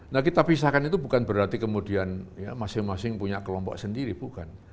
nah kita pisahkan itu bukan berarti kemudian masing masing punya kelompok sendiri bukan